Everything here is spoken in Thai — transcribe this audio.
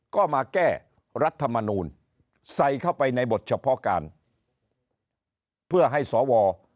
ก็มาแก้รัฐมนูลใส่เข้าไปในบทเฉพาะการเพื่อให้สว